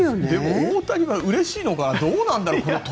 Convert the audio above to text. でも、大谷はうれしいのかな、どうなのかな。